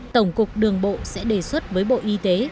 tổng cục đường bộ sẽ đề xuất với bộ y tế